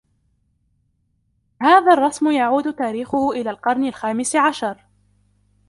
هذا الرسم يعود تاريخه الى القرن الخامس عشر.